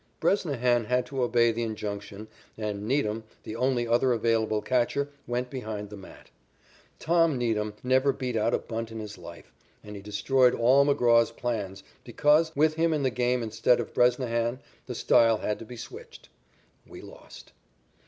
Bresnahan had to obey the injunction and Needham, the only other available catcher, went behind the mat. "Tom" Needham never beat out a bunt in his life, and he destroyed all McGraw's plans because, with him in the game instead of Bresnahan, the style had to be switched. We lost.